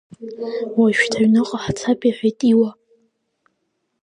Уажәшьҭа аҩныҟа ҳцап, — иҳәеит Иуа.